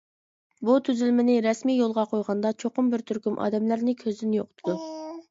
بۇ تۈزۈلمىنى رەسمىي يولغا قويغاندا، چوقۇم بىر تۈركۈم ئادەملەرنى كۆزدىن يوقىتىدۇ.